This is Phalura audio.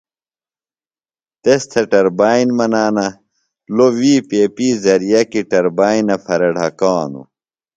تس تھےۡ ٹربائن منانہ لوۡ وی پیپیۡ زرئعہ کیۡ ٹربائنہ پھرے ڈھکانوۡ۔